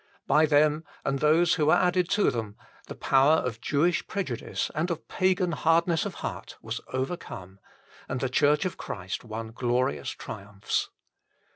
By them, and those who were added to them, the power of Jewish prejudice and of pagan hardness of heart was overcome, and the Church of Christ won glorious triumphs.